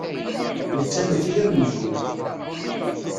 Netta maci d amenzug.